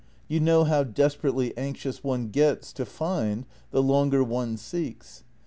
You know how desperately anxious one gets to find the longer one seeks.